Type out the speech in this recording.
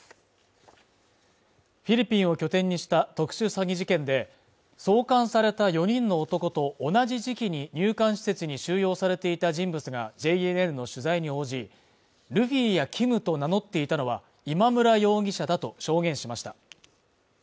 フィリピンを拠点にした特殊詐欺事件で送還された４人の男と同じ時期に入管施設に収容されていた人物が、ＪＮＮの取材に応じルフィやＫｉｍと名乗っていたのは今村容疑者だと証言しました。